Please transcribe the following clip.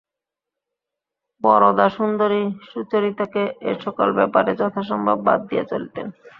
বরদাসুন্দরী সুচরিতাকে এ-সকল ব্যাপারে যথাসম্ভব বাদ দিয়া চলিতেন।